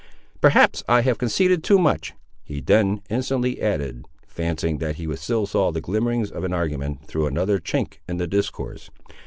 "Perhaps I have conceded too much," he then instantly added, fancying that he still saw the glimmerings of an argument through another chink in the discourse.